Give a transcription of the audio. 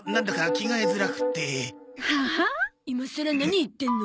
今さら何言ってんの？